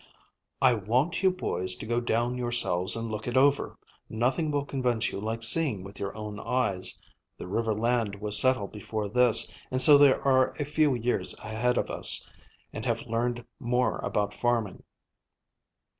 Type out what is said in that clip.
"I want you boys to go down yourselves and look it over. Nothing will convince you like seeing with your own eyes. The river land was settled before this, and so they are a few years ahead of us, and have learned more about farming.